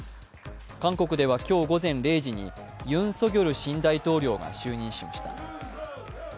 韓国では今日午前０時に、ユン・ソギョル新大統領が就任しました。